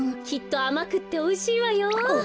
きっとあまくっておいしいわよ。